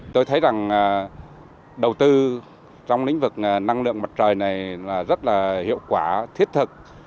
tôi thấy rằng đầu tư trong lĩnh vực năng lượng mặt trời này rất là hiệu quả thiết thực